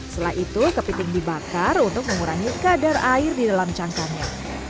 setelah itu kepiting dibakar untuk mengurangi kadar air di dalam cangkangnya